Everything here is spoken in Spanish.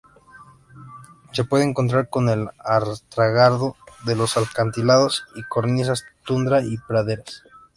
Se puede encontrar con el astrágalo, en los acantilados y cornisas, tundra y praderas.